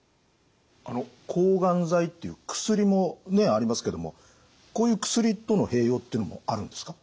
あの抗がん剤っていう薬もありますけどもこういう薬との併用っていうのもあるんですか？